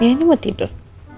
ya ini mau tidur